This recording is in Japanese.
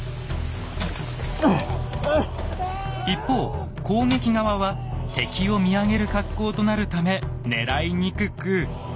一方攻撃側は敵を見上げる格好となるため狙いにくく。